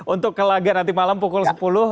untuk kelaga nanti malam pukul sepuluh